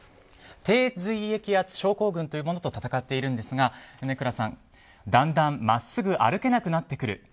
低髄液圧症候群というものと闘っているんですが米倉さん、だんだん真っすぐ歩けなくなってくる。